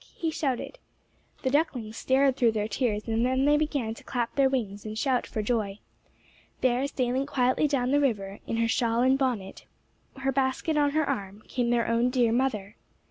he shouted. The ducklings stared through their tears, and then they began to clap their wings and shout for joy. There, sailing quietly down the river, in her shawl and bonnet, her basket on her arm, came their own dear mother.